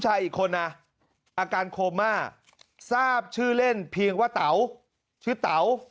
อีกคนนะอาการโคม่าทราบชื่อเล่นเพียงว่าเต๋าชื่อเต๋า